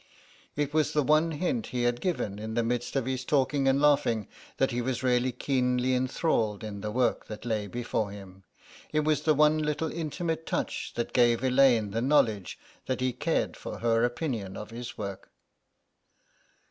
It was the one hint he had given in the midst of his talking and laughing that he was really keenly enthralled in the work that lay before him. It was the one little intimate touch that gave Elaine the knowledge that he cared for her opinion of his work.